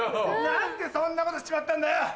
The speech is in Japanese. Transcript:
何でそんなことしちまったんだよ！